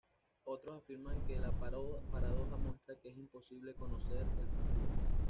Otros afirman que la paradoja muestra que es imposible conocer el futuro.